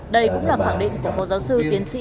đây cũng là khẳng định của phó giáo sư tiến sĩ